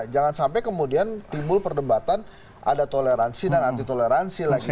jangan sampai kemudian timbul perdebatan ada toleransi dan anti toleransi lagi